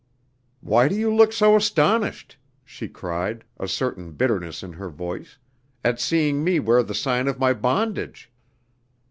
"Why do you look so astonished," she cried, a certain bitterness in her voice, "at seeing me wear the sign of my bondage?"